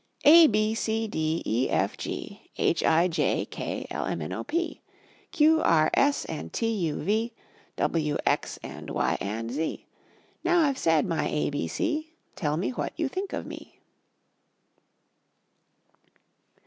A, B, C, D, E, F, G, H, I, J, K, L, M, N, O, P, Q, R, S, and T, U, V, W, X, and Y and Z. Now I've said my A, B, C, Tell me what you think of me.